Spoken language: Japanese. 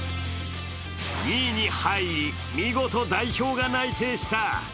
２位に入り、見事代表が内定した。